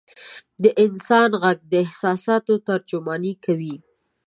د انسان ږغ د احساساتو ترجماني کوي.